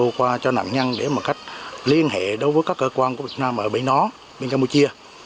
hướng dẫn cho nạn nhân để một cách liên hệ đối với các cơ quan của việt nam ở bến nó bến campuchia